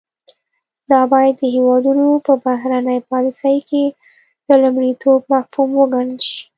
دا باید د هیوادونو په بهرنۍ پالیسۍ کې د لومړیتوب مفهوم وګڼل شي